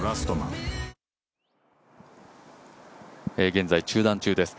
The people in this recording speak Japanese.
現在、中断中です。